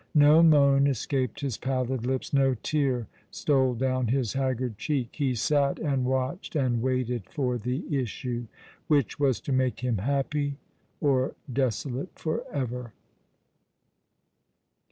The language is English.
No moan escaped his pallid lips ; no tear stole down his haggard cheek. He sat and watched and waited for the issue, which was to make him happy, or desolate for eyer.